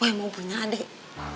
boy mau punya adik